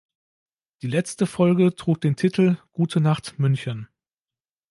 Die letzte Folge trug den Titel "Gute Nacht, München!